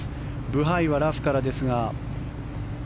ブハイはラフからですが。